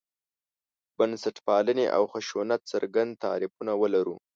بنسټپالنې او خشونت څرګند تعریفونه ولرو.